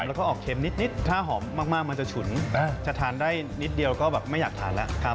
แล้วก็ออกเข็มนิดถ้าหอมมากมันจะฉุนจะทานได้นิดเดียวก็แบบไม่อยากทานแล้ว